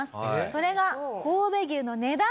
それが神戸牛の値段。